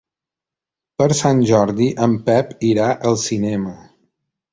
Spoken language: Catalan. Per Sant Jordi en Pep irà al cinema.